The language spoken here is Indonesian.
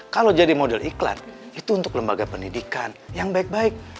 kalau jadi model iklan itu untuk lembaga pendidikan yang baik baik